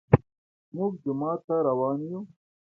موږ جومات ته روان يو